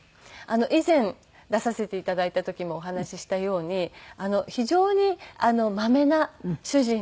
以前出させて頂いた時もお話ししたように非常にまめな主人で。